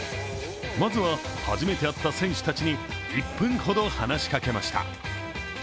まずは、初めて会った選手たちに１分ほど話しかけました。